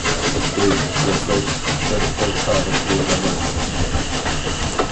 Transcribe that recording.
«ئۆي» ياساش بىر خىل تارىخى راۋاج.